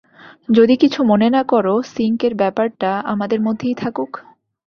যদি কিছু মনে না করো, সিংকের ব্যাপারটা আমাদের মধ্যেই থাকুক?